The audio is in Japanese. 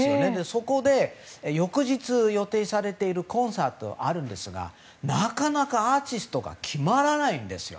そこで、翌日予定されているコンサートがあるんですがなかなかアーティストが決まらないんですよ。